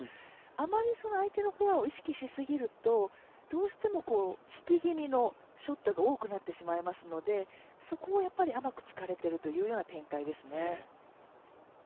あまり相手のフォアを意識しすぎると、どうしても引き気味のショットが多くなってしまいますのでそこを甘く突かれているというような展開ですね。